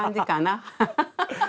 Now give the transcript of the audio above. ハハハハ！